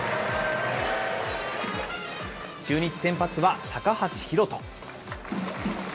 中日先発は高橋宏斗。